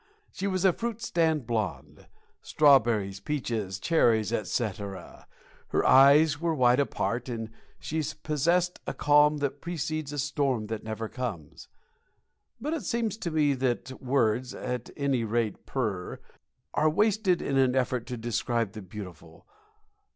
She was a fruit stand blonde strawberries, peaches, cherries, etc. Her eyes were wide apart, and she possessed the calm that precedes a storm that never comes. But it seems to me that words (at any rate per) are wasted in an effort to describe the beautiful.